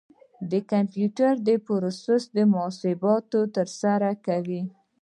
د کمپیوټر پروسیسر محاسبات ترسره کوي.